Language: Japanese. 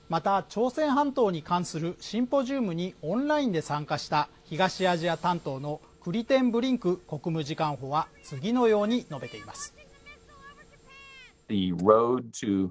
朝鮮半島に関するシンポジウムにオンラインで参加した東アジア担当のクリテンブリンク国務次官補は次のように述べています